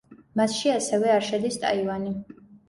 მასში ასევე არ შედის ტაივანი.